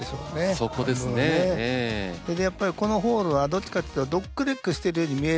それでやっぱりこのホールはどっちかというとドックレッグしてるように見えるんですよ